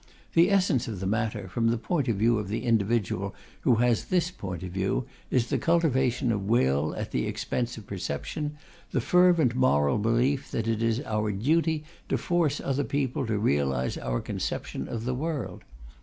The essence of the matter, from the point of view of the individual who has this point of view, is the cultivation of will at the expense of perception, the fervent moral belief that it is our duty to force other people to realize our conception of the world.